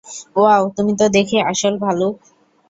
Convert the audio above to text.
Wow, তুমি ত দেখি আসল ভালুক।